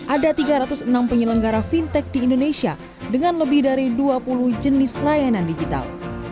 ada tiga ratus enam penyelenggara fintech di indonesia dengan lebih dari dua puluh jenis layanan digital